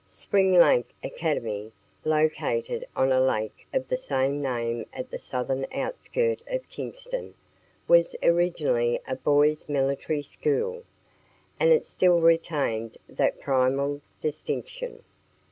Spring Lake academy, located on a lake of the same name at the southern outskirt of Kingston, was originally a boys' military school, and it still retained that primal distinction.